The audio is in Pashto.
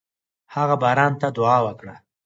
هغه باران ته دعا وکړه.